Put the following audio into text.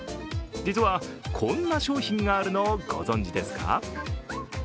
実は、こんな商品があるのをご存じですか？